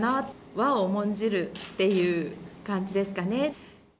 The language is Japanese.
和を重んじるっていう感じですかね。